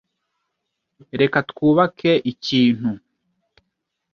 Reka twubake ikintu.